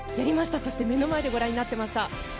そして目の前でご覧になっていました。